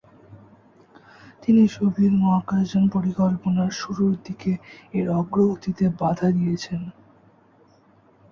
তিনি সোভিয়েত মহাকাশযান পরিকল্পনার শুরুর দিকে এর অগ্রগতিতে বাঁধা দিয়েছেন।